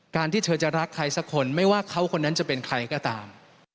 ที่เธอจะรักใครสักคนไม่ว่าเขาคนนั้นจะเป็นใครก็ตาม